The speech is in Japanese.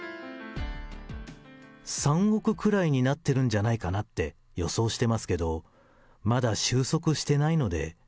３億くらいになってるんじゃないかなって予想してますけど、まだ収束してないので。